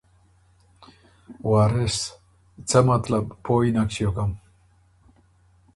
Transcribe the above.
وارث ـــ ”څۀ مطلب؟ پویٛ نک ݭیوکم“